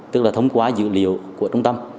tức là thông qua dữ liệu của trung tâm